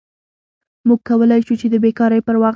موږ کولی شو چې د بیکارۍ پر وخت